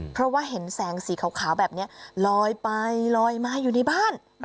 เพราะว่าเห็นแสงสีขาวแบบนี้ลอยไปลอยมาอยู่ในบ้าน